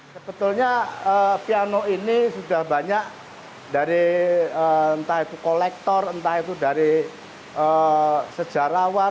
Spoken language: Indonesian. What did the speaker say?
sebetulnya piano ini sudah banyak dari entah itu kolektor entah itu dari sejarawan